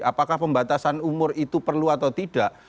apakah pembatasan umur itu perlu atau tidak